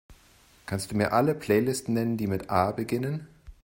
Kannst Du mir alle Playlists nennen, die mit A beginnen?